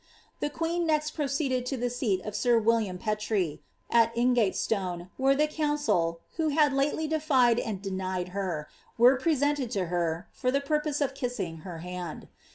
The queen next proceeded in ihe scat of sir William Peira, al Ingatestone, where the ouncil, who had lately delied and denied her, wttte preaenieil to her, for the purpose of kissing her band.